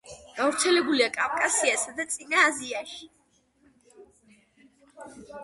გავრცელებულია კავკასიასა და წინა აზიაში.